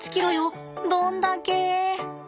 どんだけ。